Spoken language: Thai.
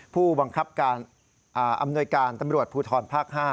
ผู้บังคับการอำนวยการตำรวจภูทรภาค๕